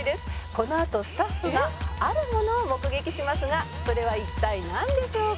「このあとスタッフがあるものを目撃しますがそれは一体なんでしょうか？」